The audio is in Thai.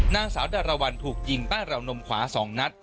นางสาวดารวรรค์ถูกยิงบ้านหลาวนมขวาสองนัด